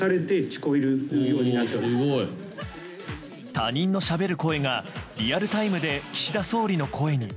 他人のしゃべる声がリアルタイムで岸田総理の声に。